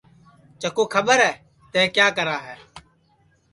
چکُو کھٻر ہے تیں کیا کرا ہے